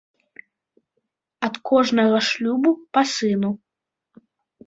Ад кожнага шлюбу па сыну.